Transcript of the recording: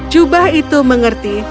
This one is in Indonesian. jubah itu mengerti